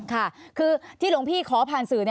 ค่ะคือที่หลวงพี่ขอผ่านสื่อ